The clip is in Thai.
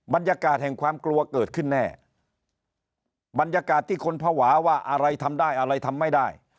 บรรยากาศแห่งความกลัวเกิดขึ้นแน่บรรยากาศที่คนภาวะว่าอะไรทำได้อะไรทำไม่ได้